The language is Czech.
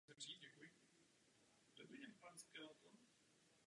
Jeho první žena Zuzana zemřela v Osvětimi.